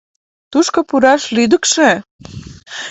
Тушко пураш лӱдыкшӧ!